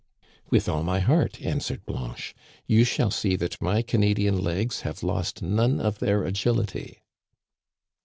"With all my heart," answered Blanche. You shall see that my Canadian legs have lost none of their agility."